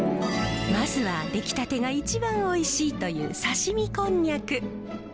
まずは出来たてが一番おいしいという刺身コンニャク。